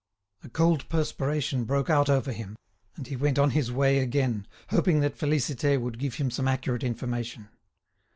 A cold perspiration broke out over him, and he went on his way again, hoping that Félicité would give him some accurate information.